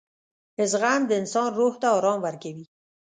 • زغم د انسان روح ته آرام ورکوي.